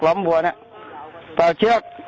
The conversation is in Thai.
ล้อมบัวเนี่ยเอาเชือก